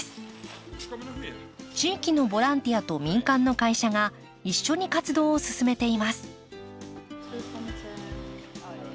地域のボランティアと民間の会社が一緒に活動を進めています。